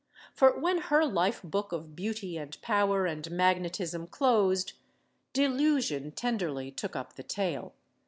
For when her life book of beauty and power and magnetism closed, Delusion tenderly took up the tale.